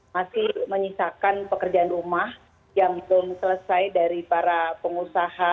masih menyisakan pekerjaan rumah yang belum selesai dari para pengusaha